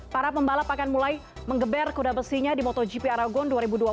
para pembalap akan mulai mengeber kuda besinya di motogp aragon dua ribu dua puluh